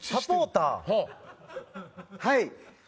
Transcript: はい。